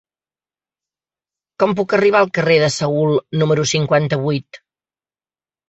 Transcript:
Com puc arribar al carrer de Seül número cinquanta-vuit?